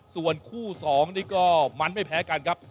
ส่วนคู่๒นี่ก็มันไม่แพ้กันครับ